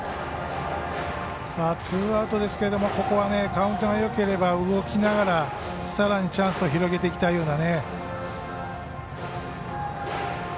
ツーアウトですがここはカウントがよければ動きながらさらにチャンスを広げていきたいです。